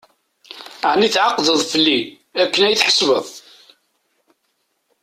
Ɛni tεeqdeḍ-t fell-i akken ad yi-d-tḥesbeḍ?